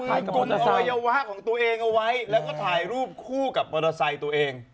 มัยวะของตัวเองเอาไว้ถ่ายรูปคู่กับมอเตอร์ไซตัวเอง